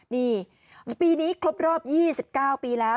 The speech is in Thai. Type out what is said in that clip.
นี่ปีนี้ครบรอบ๒๙ปีแล้ว